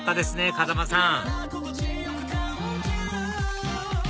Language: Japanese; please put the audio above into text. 風間さん